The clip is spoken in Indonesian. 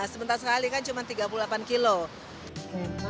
sebentar sekali kan cuma tiga puluh delapan kilo